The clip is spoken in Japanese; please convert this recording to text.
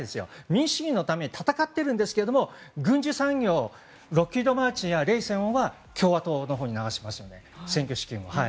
民主主義のために戦っているんですけど軍需産業ロッキード・マーティン社は共和党のほうに流しますよね選挙資金を。